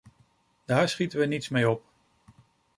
Daar schieten we niets mee op.